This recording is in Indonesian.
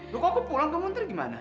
duh kok aku pulang kamu ntar gimana